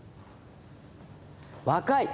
若い！